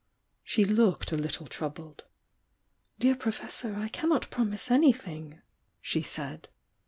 She looked a little troubled. "Dear Professor, I cannot promise anything!" she said.